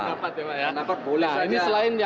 kenapa boleh saja